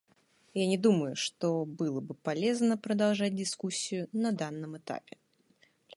Я не думаю, что было бы полезно продолжать дискуссию на данном этапе.